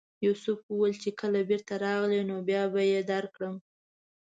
یوسف وویل چې کله بېرته راغلې نو بیا به یې درکړم.